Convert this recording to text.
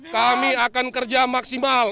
kami akan kerja maksimal